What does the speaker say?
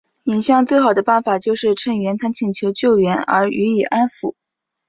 眼下最好的办法就是趁袁谭请求救援而予以安抚。